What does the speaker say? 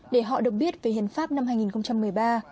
để họ được biết về hiến pháp năm hai nghìn một mươi ba